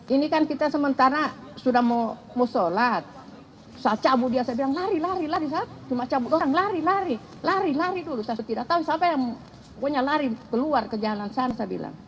ini kan kita sementara sudah mau sholat saya cabut dia saya bilang lari lari lari lari lari dulu saya tidak tahu siapa yang pokoknya lari keluar ke jalan sana saya bilang